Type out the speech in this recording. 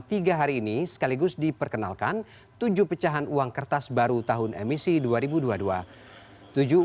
tiga hari ini sekaligus diperkenalkan tujuh pecahan uang kertas baru tahun emisi dua ribu dua puluh dua